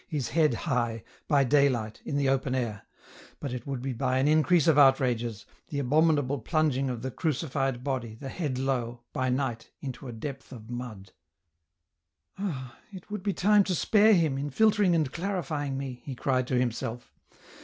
His head high, by daylight, in the open air ! but it would be by an increase of outrages, the abominable plunging of the crucified body, the head low, by night, into a depth of mud. " Ah ! it would be time to spare Him, in filtering and clarifying me," he cried to himself.